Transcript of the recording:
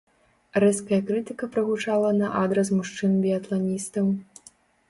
Рэзкая крытыка прагучала на адрас мужчын-біятланістаў.